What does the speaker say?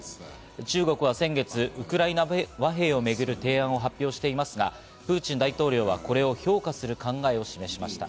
中国は先月、ウクライナ和平を巡る提案を発表していますが、プーチン大統領はこれを評価する考えを示しました。